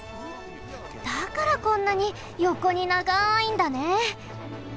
だからこんなによこにながいんだね。